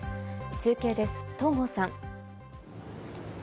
中継です、東郷さん。